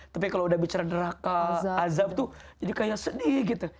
tapi kalau udah bicara neraka azab tuh jadi kayak sedih gitu